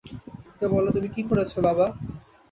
ওকে বলো তুমি কী করেছ, বাবা।